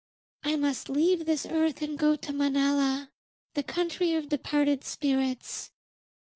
I must leave this earth and go to Manala, the country of departed spirits.